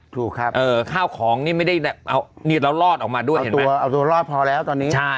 ถูกครับข้าวของนี่ไม่ได้เอานี่เรารอดออกมาด้วยเอาตัวเอาตัวรอดพอแล้วตอนนี้ใช่